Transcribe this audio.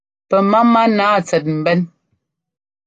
Pɛ máma nǎa tsɛt mbɛ́n.